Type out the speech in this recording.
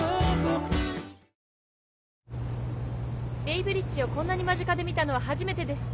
ベイブリッジをこんなに間近で見たのは初めてです。